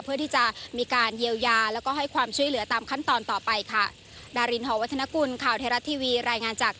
เพื่อที่จะมีการเยียวยาแล้วก็ให้ความช่วยเหลือตามขั้นตอนต่อไปค่ะ